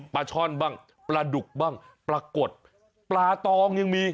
ช่อนบ้างปลาดุกบ้างปลากดปลาตองยังมี